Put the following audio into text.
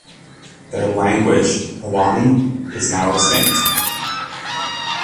Their language, Hoanya, is now extinct.